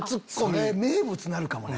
それ名物になるかもね。